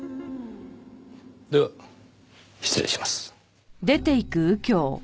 では失礼します。